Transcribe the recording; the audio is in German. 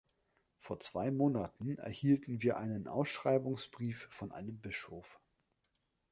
Vor zwei Monaten erhielten wir einen Ausschreibungsbrief von einem Bischof.